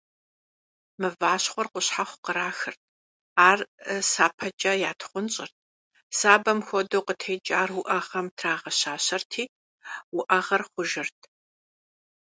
Мыващхъуэр къущхьэхъу кърахырт, ар сапэкӀэ ятхъунщӀырт, сабэм хуэдэу къытекӀар уӀэгъэм трагъэщащэрти, уӀэгъэр хъужырт.